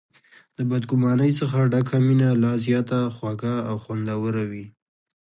د بد ګمانۍ څخه ډکه مینه لا زیاته خوږه او خوندوره وي.